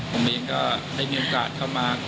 ผมเองก็ได้มีโอกาสเข้ามา